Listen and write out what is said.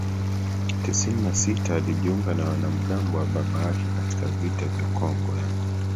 tisini na sita alijiunga na wanamgambo wa baba yake katika vita vya Kongo ya